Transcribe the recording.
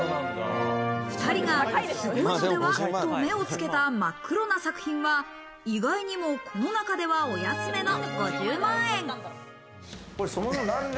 ２人がすごいのでは？と、目をつけた真っ黒な作品は意外にもこの中ではお安めの５０万円。